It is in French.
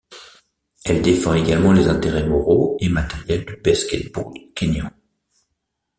Elle défend également les intérêts moraux et matériels du basket-ball kényan.